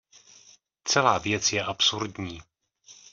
Celá věc je absurdní.